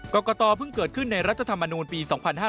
กรกตเพิ่งเกิดขึ้นในรัฐธรรมนูลปี๒๕๕๙